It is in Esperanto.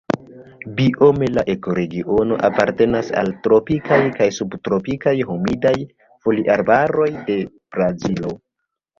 Biome la ekoregiono apartenas al tropikaj kaj subtropikaj humidaj foliarbaroj de Brazilo.